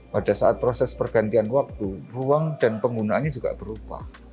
pada saat proses pergantian waktu ruang dan penggunaannya juga berubah